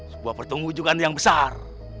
sebuah pertemuan yang besar